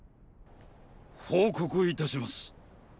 報告いたします。